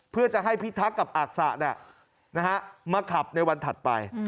เพื่อจะให้พิทักษ์กับอาสะมาขับในวันถัดไป